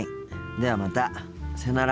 ではまたさよなら。